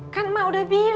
kan emak udah bingung